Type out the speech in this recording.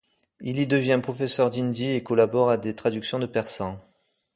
Il y devient professeur d'hindi et collabore à des traductions du persan.